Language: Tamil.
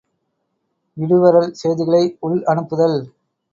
இடுவரல், செய்திகளை உள் அனுப்புதல்.